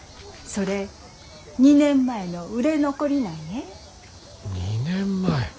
それ２年前の売れ残りなんえ。